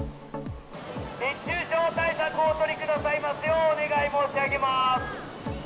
熱中症対策をお取りくださいますようお願い申し上げます。